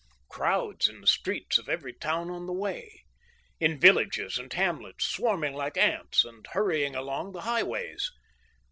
Crowds in the streets of every town on the way. In villages and hamlets, swarming like ants, and hurrying along the highways!